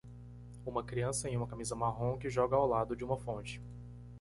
Uma criança em uma camisa marrom que joga ao lado de uma fonte.